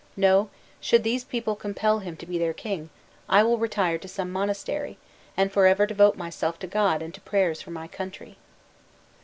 No; should these people compel him to be their king, I will retire to some monastery, and forever devote myself to God and to prayers for my country."